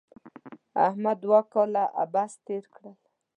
احمد دوه کاله عبث تېر کړل.